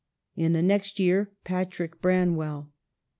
In the next year Patrick Branwell.